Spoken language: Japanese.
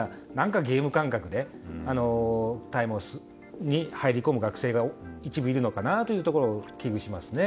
ゲーム感覚で大麻に入り込む学生が一部いるのかなというのを危惧しますね。